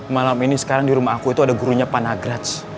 malam ini sekarang di rumah aku itu ada gurunya panagraj